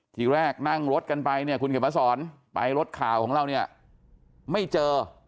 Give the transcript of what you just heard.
ทีแรกนั่งรถกันไปเนี่ยคุณเขียนมาสอนไปรถข่าวของเราเนี่ยไม่เจอ